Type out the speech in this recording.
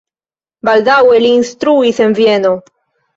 Baldaŭe li instruis en Vieno.